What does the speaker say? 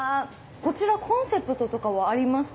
こちらコンセプトとかはありますか？